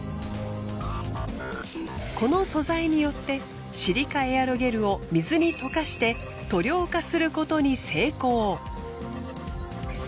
この素材によってシリカエアロゲルを水に溶かして塗料化することに成功。